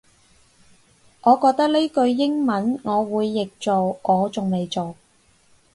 我覺得呢句英文我會譯做我仲未做